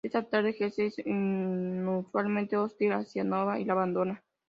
Esa tarde, Jesse es inusualmente hostil hacia Nova y la abandona.